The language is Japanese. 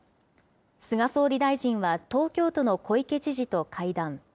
菅総理大臣は東京都の小池知事と会談。